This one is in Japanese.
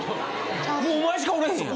もうお前しかおれへんやん。